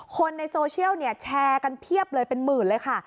คนในโซเชียลเนี่ยแชร์กันเพียบเลยเป็นหมื่นเลยค่ะ